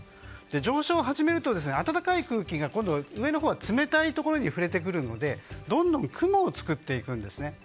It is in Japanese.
上昇を始めると暖かい空気が今度は上のほうの冷たい空気に触れてくるのでどんどん雲を作っていくんですね。